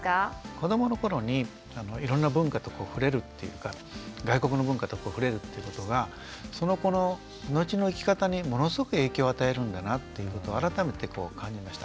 子どもの頃にいろんな文化と触れるっていうか外国の文化と触れるっていうことがその子の後の生き方にものすごく影響を与えるんだなっていうことを改めて感じました。